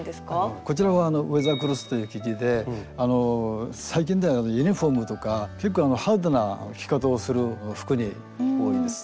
こちらはウェザークロスという生地で最近ではユニフォームとか結構ハードな着方をする服に多いです。